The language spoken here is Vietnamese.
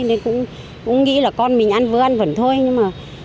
nên cũng nghĩ là con mình ăn vừa ăn vẫn thôi nhưng mà